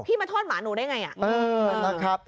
พี่มาทอดหมาหนูได้ไงอ่ะ